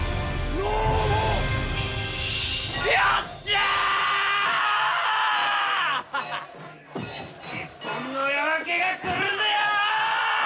日本の夜明けがくるぜよ！